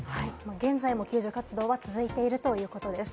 現在も救助活動は続いているということです。